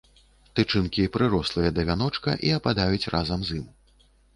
Тычынкі прырослыя да вяночка і ападаюць разам з ім.